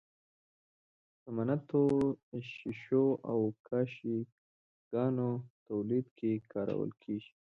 سمنټو، ښيښو او کاشي ګانو تولید کې کارول کیږي.